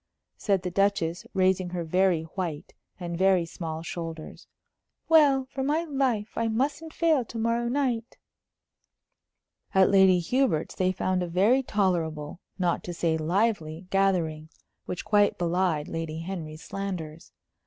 said the Duchess, raising her very white and very small shoulders. "Well, for my life, I mustn't fail to morrow night." At Lady Hubert's they found a very tolerable, not to say lively, gathering, which quite belied Lady Henry's slanders.